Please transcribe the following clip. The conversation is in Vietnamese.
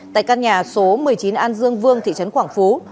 tại căn nhà số một mươi chín an dương vương thị trấn quảng phú